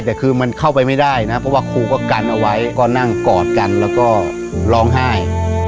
แต่คือมันเข้าไปไม่ได้นะเพราะว่าครูก็กันเอาไว้ก็นั่งกอดกันแล้วก็ร้องไห้